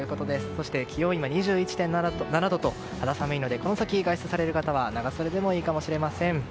そして気温は２１．７度と肌寒いのでこの先、外出される方は長袖でもいいかもしれません。